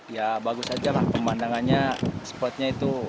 ya bagus aja lah pemandangannya spotnya itu